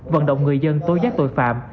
vận động người dân tối giác tội phạm